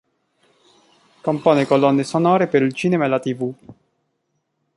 Compone colonne sonore per il cinema e la tv.